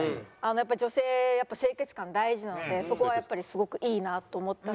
女性やっぱ清潔感大事なのでそこはやっぱりすごくいいなと思ったのと。